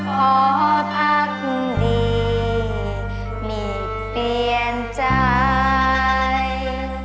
ขอพักดีมีเปลี่ยนใจ